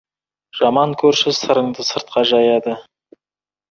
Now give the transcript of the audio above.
Жаман көрші сырыңды сыртқа жаяды.